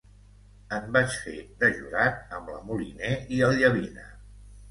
En vaig fer de jurat amb la Moliner i el Llavina.